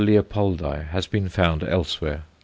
Leopoldi_ has been found elsewhere.